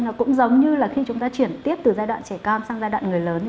nó cũng giống như là khi chúng ta chuyển tiếp từ giai đoạn trẻ con sang giai đoạn người lớn